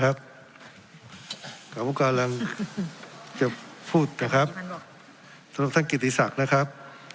แต่ว่าการจะพูดเต็มครับสำหรับท่านกิสศักดิ์นะครับ